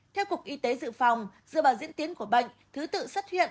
theo cục y tế dự phòng dựa vào diễn tiến của bệnh thứ tự sát huyện